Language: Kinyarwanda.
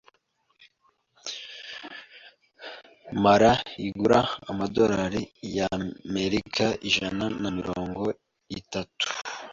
Mara X igura amadorari y’Amerika ijana na mirongo itatu